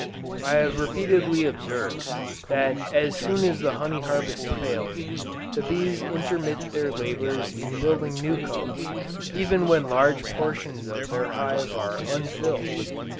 I have repeatedly observed, that as soon as the honey harvest fails, the bees intermit their labors in building new comb, even when large portions of their hive are unfilled.